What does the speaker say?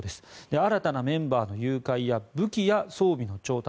新たなメンバーの誘拐や武器や装備の調達